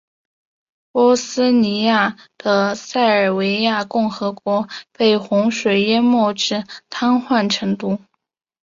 波斯尼亚的塞尔维亚共和国被洪水淹没至瘫痪程度。